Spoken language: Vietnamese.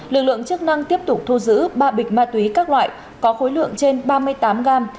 lực lượng chức năng tiếp tục thu giữ ba bịch ma túy các loại có khối lượng trên ba mươi tám gram